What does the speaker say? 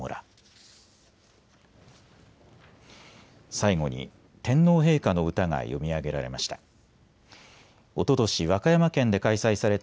最後に天皇陛下の歌が詠み上げられました。